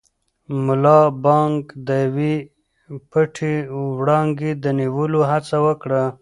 ملا بانګ د یوې پټې وړانګې د نیولو هڅه وکړه.